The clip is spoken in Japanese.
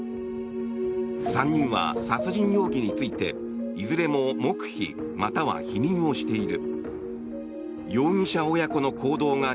３人は殺人容疑についていずれも黙秘または否認をしている。